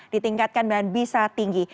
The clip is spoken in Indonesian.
ditingkatkan dan bisa tinggi